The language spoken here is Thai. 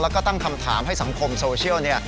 แล้วก็ตั้งคำถามให้สังคมโซเชียล